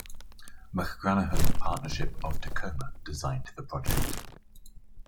McGranahan Partnership of Tacoma designed the project.